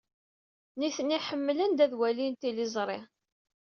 Nitni ḥemmlen ad walin tiliẓri.